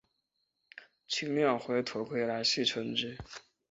轻量化头盔来戏称之。